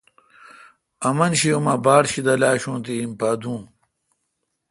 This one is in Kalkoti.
آمن شی اوما باڑ شیدل آشوں تے ہیم پا دوں